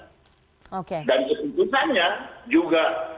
dan keputusannya juga